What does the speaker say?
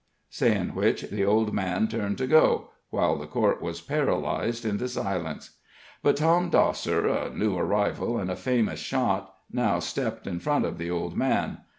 Saying which, the old man turned to go, while the court was paralyzed into silence. But Tom Dosser, a new arrival, and a famous shot, now stepped in front of the old man.